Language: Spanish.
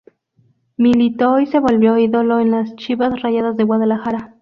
Militó y se volvió ídolo en las Chivas Rayadas de Guadalajara.